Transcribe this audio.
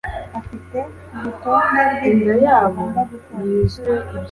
afite urutonde rwibintu agomba gukora.